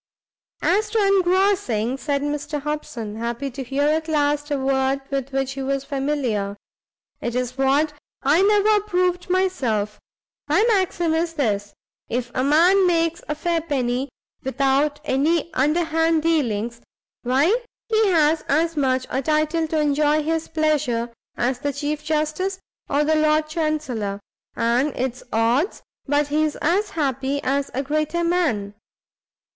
"As to engrossing," said Mr Hobson, happy to hear at last a word with which he was familiar, "it's what I never approved myself. My maxim is this; if a man makes a fair penny, without any underhand dealings, why he has as much a title to enjoy his pleasure as the Chief Justice, or the Lord Chancellor: and it's odds but he's as happy as a greater man.